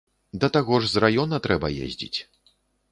Да таго ж з раёна трэба ездзіць.